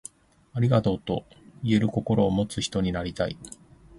ありがとう、と言える心を持つ人になりたい。